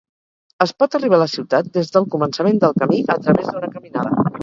Es pot arribar a la ciutat des del començament del camí a través d'una caminada.